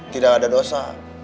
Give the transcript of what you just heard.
tidak ada dosa